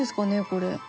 これ。